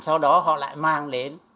sau đó họ lại mang